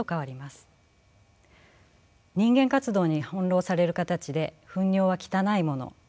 人間活動に翻弄される形で糞尿は汚いもの